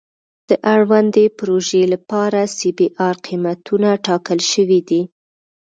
د اړوندې پروژې لپاره سی بي ار قیمتونه ټاکل شوي دي